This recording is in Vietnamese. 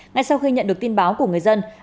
ngay sau khi nhận được tin báo của người dân